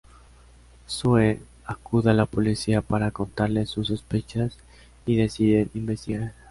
Sue acude a la policía para contarles sus sospechas, y deciden investigar.